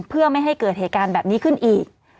เพื่อไม่ให้เกิดเหตุการณ์แบบนี้ขึ้นอีก